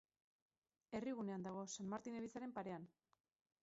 Herrigunean dago, San Martin elizaren parean.